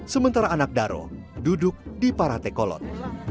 sementara anak daro duduk di paratekolot